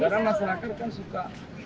sekarang masyarakat kan suka